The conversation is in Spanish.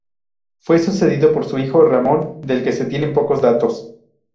Fue sucedido por su hijo Ramón del que se tienen pocos datos.